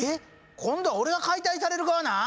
今度は俺が解体される側なん？